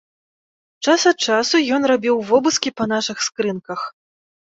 Час ад часу ён рабіў вобыскі па нашых скрынках.